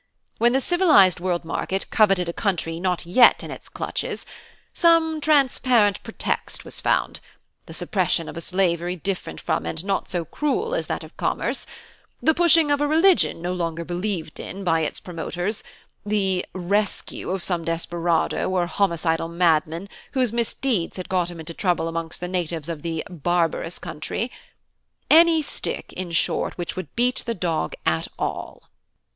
When the civilised World Market coveted a country not yet in its clutches, some transparent pretext was found the suppression of a slavery different from and not so cruel as that of commerce; the pushing of a religion no longer believed in by its promoters; the 'rescue' of some desperado or homicidal madman whose misdeeds had got him into trouble amongst the natives of the 'barbarous' country any stick, in short, which would beat the dog at all.